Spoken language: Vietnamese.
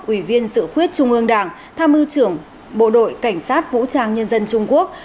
ủy viên sự khuyết trung ương đảng tham ưu trưởng bộ đội cảnh sát vũ trang nhân dân trung quốc